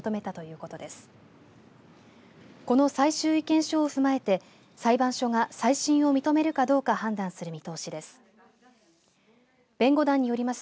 この最終意見書を踏まえて裁判所が再審を認めるかどうか判断する見通しです。